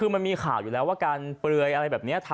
มันมีข่าวอยู่แล้วกัก